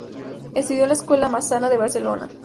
Estudió en la Escuela Massana de Barcelona.